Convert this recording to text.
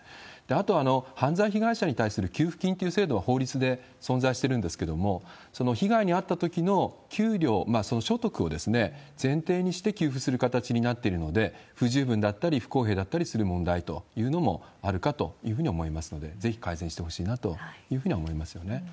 あとは、犯罪被害者に対する給付金っていう制度は、法律で存在してるんですけれども、その被害に遭ったときの給料、所得を前提にして給付する形になっているので、不十分だったり、不公平だったりする問題というのもあるかというふうに思いますので、ぜひ改善してほしいなというふうには思いますよね。